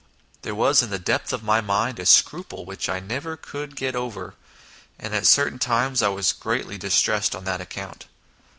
. there was in the depth of my mind a scruple which I never could get over ; and at certain times I was greatly dis tressed on that account.